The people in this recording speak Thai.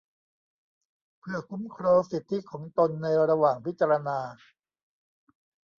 เพื่อคุ้มครองสิทธิของตนในระหว่างพิจารณา